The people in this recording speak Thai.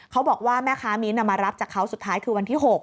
เขาบอกว่าแม่ค้ามิ้นท์มารับจากเขาสุดท้ายคือวันที่๖